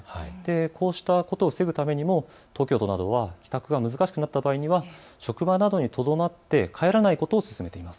こうしたことを防ぐためにも東京都などは帰宅が難しくなった場合には職場などにとどまって帰らないことを勧めています。